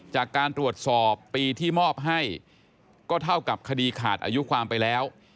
จากการตรวจสอบปีที่มอบให้ก็เท่ากับคดีขาดอายุความไปแล้ว